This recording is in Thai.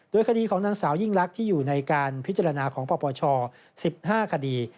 โดยคดีของนางสาวยิ่งลักษณ์ที่อยู่ในการพิจารณาของปปช๑๕คดี